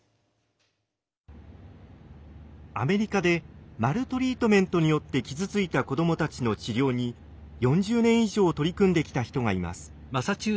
アメリカでマルトリートメントによって傷ついた子どもたちの治療に４０年以上取り組んできた人がいます。